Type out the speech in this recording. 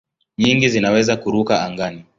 Nyingi zinaweza kuruka angani.